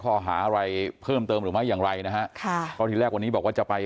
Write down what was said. ข้อหาอะไรเพิ่มเติมหรือไม่อย่างไรนะฮะค่ะก็ทีแรกวันนี้บอกว่าจะไป